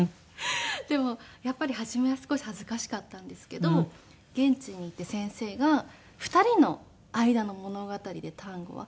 でもやっぱり初めは少し恥ずかしかったんですけど現地に行って先生が２人の間の物語でタンゴは。